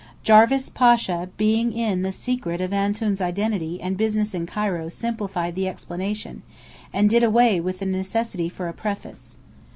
Jarvis Pasha being in the secret of "Antoun's" identity and business in Cairo, simplified the explanation, and did away with the necessity for a preface.